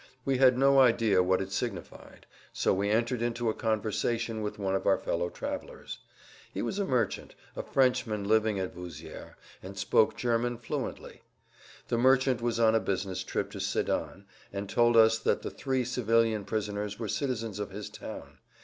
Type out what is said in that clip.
We had no idea what it signified, so we entered into a conversation with one of our fellow travelers. He was a merchant, a Frenchman living at Vouzières, and spoke German fluently. The merchant was on a business trip to Sédan, and told us that the three civilian[Pg 168] prisoners were citizens of his town.